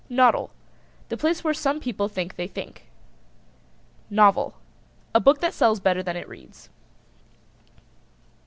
NODDLE. The place where some people think they think. NOVEL. A book that sells better than it reads.